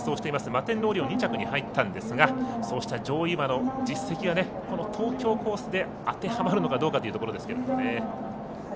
マテンロウオリオン２着に入ったんですがそうした上位馬の実績がこの東京コースで当てはまるかどうかというところです。